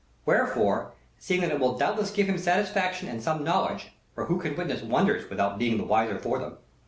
"Wherefore, seeing that it will doubtless give him satisfaction and some knowledge (for who can witness wonders without being the wiser for them?)